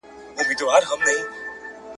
د هر چا عیب ته یې دوې سترګي نیولي ,